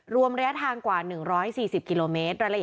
รวมระยะทางกว่า๑๔๐กิโลเมตร